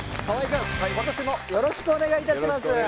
今年もよろしくお願いいたします。